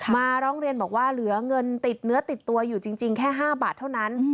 มาร้องเรียนบอกว่าเหลือเงินติดเนื้อติดตัวอยู่จริงแค่๕บาทเท่านั้น